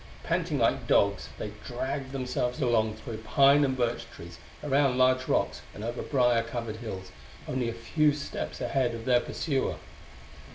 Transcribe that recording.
Panting like dogs they dragged themselves along through pine and birch trees, around large rocks and over briar covered hills, only a few steps ahead of their pursuer.